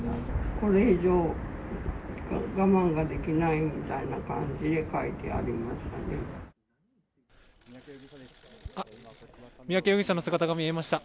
これ以上我慢ができないみたいな感じで書いてありましたね。